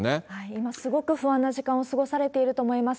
今、すごく不安な時間を過ごされていると思います。